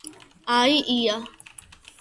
აი ია